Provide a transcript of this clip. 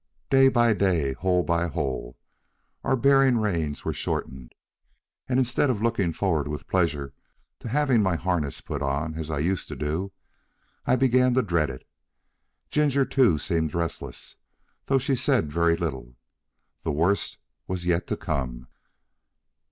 Day by day, hole by hole, our bearing reins were shortened, and instead of looking forward with pleasure to having my harness put on, as I used to do, I began to dread it. Ginger too seemed restless, thought she said very little. The worst was yet to come.